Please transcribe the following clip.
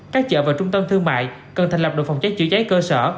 các chợ và trung tâm thương mại cần thành lập đội phòng cháy chữa cháy cơ sở